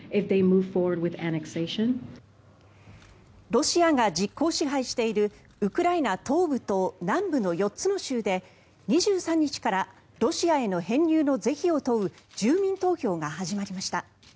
ロシアが実効支配しているウクライナ東部と南部の４つの州で２３日からロシアへの編入の是非を問う住民投票が始まりました。